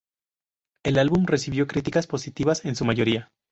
El álbum recibió críticas positivas en su mayoría.